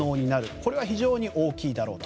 これが非常に大きいだろうと。